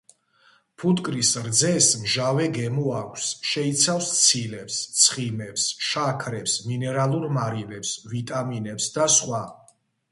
ფუტკრის რძეს მჟავე გემო აქვს, შეიცავს ცილებს, ცხიმებს, შაქრებს, მინერალურ მარილებს, ვიტამინებს და სხვა.